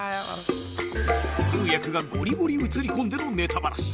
通訳がゴリゴリ映り込んでのネタバラシ